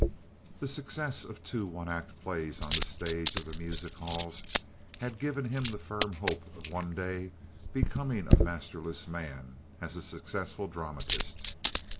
The success of two one act plays on the stage of the music halls had given him the firm hope of one day becoming a masterless man as a successful dramatist.